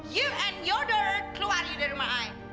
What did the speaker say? you and your daughter keluar dari rumah saya